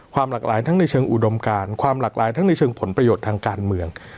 หลากหลายทั้งในเชิงอุดมการความหลากหลายทั้งในเชิงผลประโยชน์ทางการเมือง